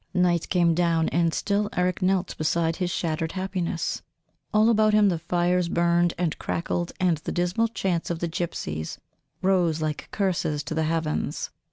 Night came down and still Eric knelt beside his shattered happiness. All about him the fires burned and crackled, and the dismal chants of the gypsies rose like curses to the heavens.